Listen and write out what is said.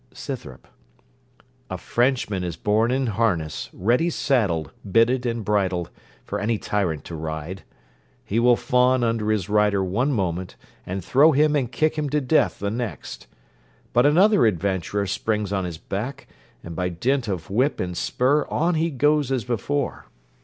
SCYTHROP A Frenchman is born in harness, ready saddled, bitted, and bridled, for any tyrant to ride. He will fawn under his rider one moment, and throw him and kick him to death the next; but another adventurer springs on his back, and by dint of whip and spur on he goes as before.